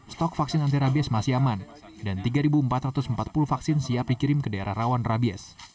stok vaksin anti rabies masih aman dan tiga empat ratus empat puluh vaksin siap dikirim ke daerah rawan rabies